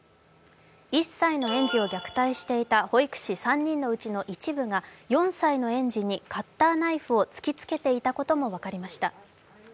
１歳の園児を虐待していた保育士３人のうちの一部が４歳の園児にカッターナイフを突きつけていたことも分かりました。